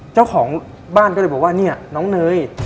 เจ้าของบ้านก็เลยบอกว่าเนี่ยน้องเนย